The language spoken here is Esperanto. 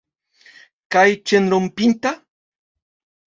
Kaj ĉenrompinta?